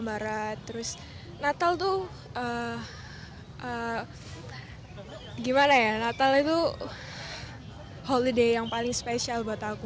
barat terus natal tuh gimana ya natal itu holiday yang paling spesial buat aku